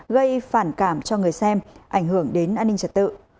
gây phản cảm cho người xem ảnh hưởng đến an ninh trật tự